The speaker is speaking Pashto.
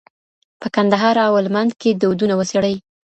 په کندهار او هلمند کې دودونه وڅېړئ.